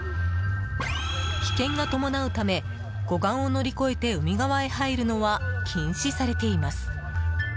危険が伴うため護岸を乗り越えて海側へ入るのは禁止されています。